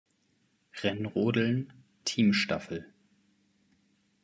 Rennrodeln Teamstaffel